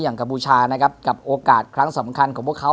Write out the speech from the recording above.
อย่างกาบูชากับโอกาสครั้งสำคัญของพวกเขา